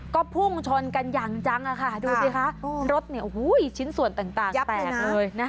ก็พุ่งชนกันอย่างจังอ่ะค่ะดูสิคะรถเนี่ยอุ้ยชิ้นส่วนต่างต่างแตกเลยนะ